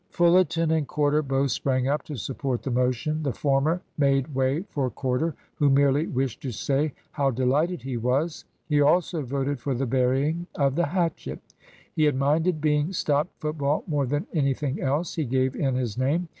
Fullerton and Corder both sprang up to support the motion. The former made way for Corder, who merely wished to say how delighted he was. He also voted for the burying of the hatchet. He had minded being stopped football more than anything else. He gave in his name.